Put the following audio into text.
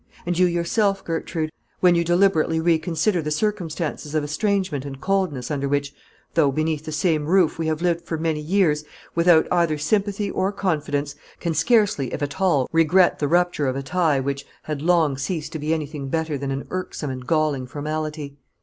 And you yourself, Gertrude, when you deliberately reconsider the circumstances of estrangement and coldness under which, though beneath the same roof, we have lived for years, without either sympathy or confidence, can scarcely, if at all, regret the rupture of a tie which had long ceased to be anything better than an irksome and galling formality.